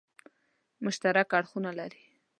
مشترک اړخونه لري.